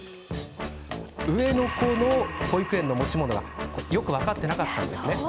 上の子の保育園の持ち物がよく分かっていなかったのです。